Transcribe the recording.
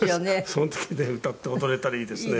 その時ね歌って踊れたらいいですね。